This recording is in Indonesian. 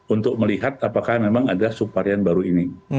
untuk melihat apakah memang ada subvarian baru ini